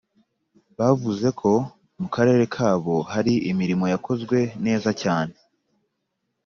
bavuze ko mu karere kabo hari imirimo yakozwe neza cyane